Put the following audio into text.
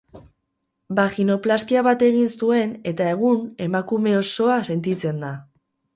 Baginoplastia bat egin zuen eta egun emakume osoa sentitzen da.